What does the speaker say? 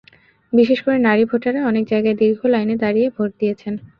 বিশেষ করে নারী ভোটাররা অনেক জায়গায় দীর্ঘ লাইনে দাঁড়িয়ে ভোট দিয়েছেন।